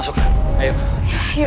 yuk bulan pertama yuk